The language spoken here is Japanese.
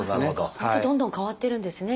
どんどん変わってるんですね